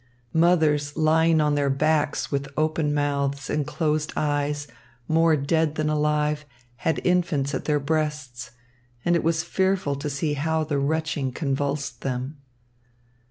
Mothers lying on their backs with open mouths and closed eyes, more dead than alive, had infants at their breasts; and it was fearful to see how the retching convulsed them.